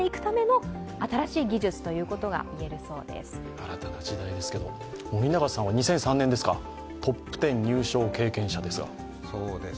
新たな時代ですけど、森永さんは２００３年にトップ１０入賞経験者ですが。